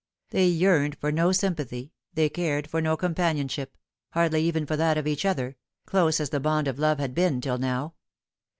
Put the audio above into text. They yearned for no sympathy, they cared for no companionship hardly even for that of each other, close as the bond of love 60 The Fatal Thrw. had been till now.